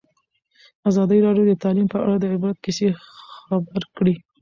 ازادي راډیو د تعلیم په اړه د عبرت کیسې خبر کړي.